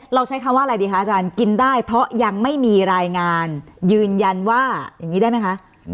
ใช้คำว่าอะไรดีคะอาจารย์กินได้เพราะยังไม่มีรายงานยืนยันว่าอย่างนี้ได้ไหมคะ